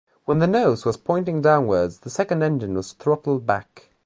When the nose was pointing downwards, the second engine was throttled back.